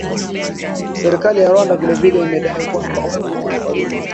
Serikali ya Rwanda vile vile imedai kwamba watu hao wawili